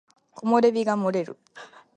木漏れ日が漏れる